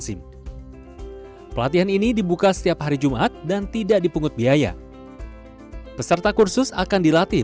sim pelatihan ini dibuka setiap hari jumat dan tidak dipungut biaya peserta kursus akan dilatih